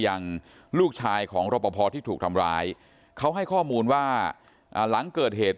ยังลูกชายของรปภที่ถูกทำร้ายเขาให้ข้อมูลว่าหลังเกิดเหตุ